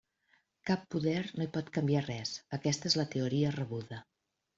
Cap poder no hi pot canviar res: aquesta és la teoria rebuda.